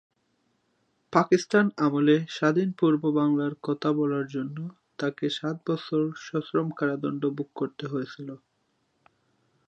পাকিস্তান আমলে "স্বাধীন পূর্ব বাংলার" কথা বলার জন্য তাকে সাত বছর সশ্রম কারাদণ্ড ভোগ করতে হয়েছিল।